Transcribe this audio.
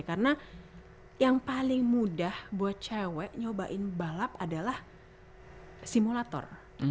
karena yang paling mudah buat cewek nyobain balap adalah simulator